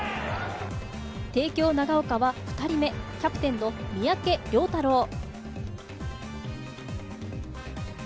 帝京長岡は２人目、キャプテンの三宅凌太郎。